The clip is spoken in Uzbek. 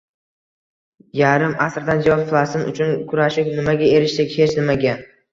Yarim asrdan ziyod Falastin uchun kurashib nimaga erishdik? Hech nimaga